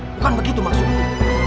bukan begitu maksudku